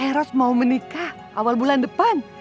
eros mau menikah awal bulan depan